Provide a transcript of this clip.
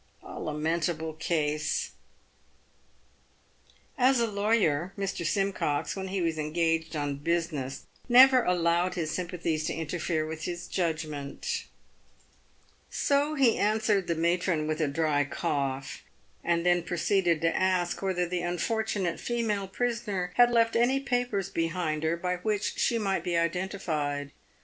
A lamentable case !" As a lawyer, Mr. Simcox, when he was engaged on business, never allowed his sympathies to interfere with his judgment ; so he answered the matron with a dry cough, and then proceeded to ask whether the unfortunate female prisoner had left any papers behind her by which she might be identified.